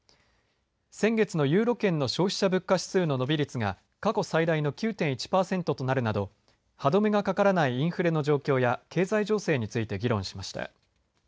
先月のユーロ圏の消費者物価指数の伸び率が過去最大の９．１パーセントとなるなど歯止めがかからないインフレの状況や経済情勢について議論しました。